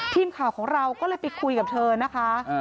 ทีมข่าวของเราก็เลยไปคุยกับเธอนะคะ